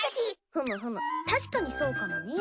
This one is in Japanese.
ふむふむ確かにそうかもね。